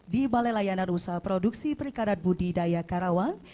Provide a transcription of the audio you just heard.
di balai layanan usaha produksi perikanan budidaya karawang